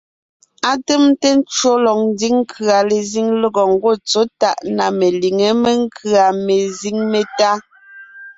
Atèmte ncwò lɔg ńdiŋ nkʉ̀a lezíŋ lɔgɔ ńgwɔ́ tsɔ̌ tàʼ na meliŋé menkʉ̀a mezíŋ métá.